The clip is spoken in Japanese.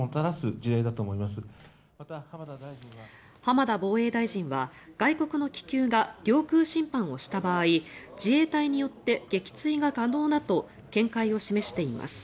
浜田防衛大臣は外国の気球が領空侵犯をした場合自衛隊によって撃墜が可能だと見解を示しています。